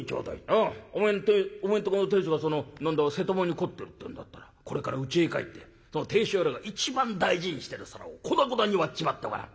うんお前んとこの亭主がその何だ瀬戸物に凝ってるっていうんだったらこれからうちへ帰ってその亭主野郎が一番大事にしてる皿を粉々に割っちまってごらん。